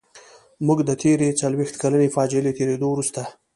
موږ د تېرې څلويښت کلنې فاجعې له تېرېدو وروسته.